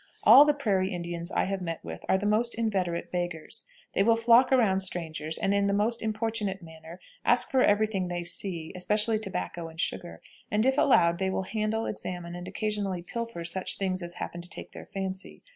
All the Prairie Indians I have met with are the most inveterate beggars. They will flock around strangers, and, in the most importunate manner, ask for every thing they see, especially tobacco and sugar; and, if allowed, they will handle, examine, and occasionally pilfer such things as happen to take their fancy.